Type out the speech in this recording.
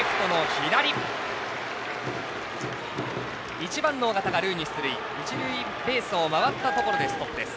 １番の緒方が塁に出塁一塁ベースを回ったところでストップです。